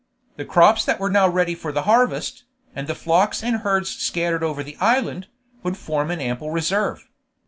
The crops that were now ready for the harvest, and the flocks and herds scattered over the island, would form an ample reserve.